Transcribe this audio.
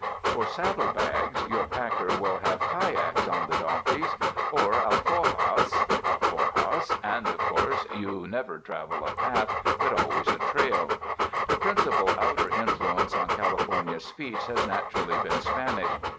For saddle bags your packer will have "kyacks" on the donkeys or alforjas (alfor has), and of course you never travel a path, but always a "trail." The principal outer influence on California speech has naturally been Spanish.